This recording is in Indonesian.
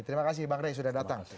terima kasih bang rey sudah datang